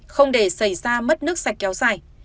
không để xảy ra mất nước sạch kéo dài